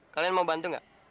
kalian mau bantu gak